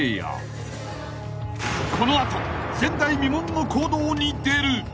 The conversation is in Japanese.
［この後前代未聞の行動に出る］